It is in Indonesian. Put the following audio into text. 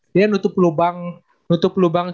dia nutup lubang nutup lubang